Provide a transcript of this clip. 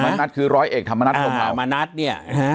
มานัดคือร้อยเอกทำมานัดของเรา